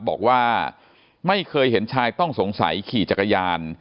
บอกว่าไม่เคยเห็นชายต้องสงสัยขี่จักรยาน